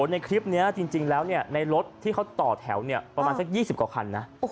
ในคลิปนี้จริงแล้วในรถที่เขาต่อแถวประมาณสัก๒๐กว่าคันนะ